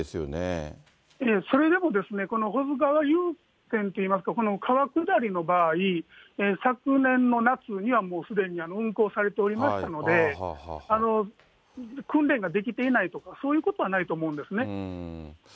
それでもですね、この保津川遊船っていいましょうかね、この川下りの場合、昨年の夏にはもうすでに運航されておりましたので、訓練ができていないとか、そういうことはないと思うんですね。